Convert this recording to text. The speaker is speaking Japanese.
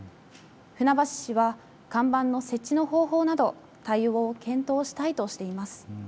船橋市は看板の設置の方法など対応を検討したいとしています。